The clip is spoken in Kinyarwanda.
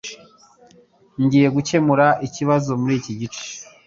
Ngiye gukemura ikibazo muri iki gice.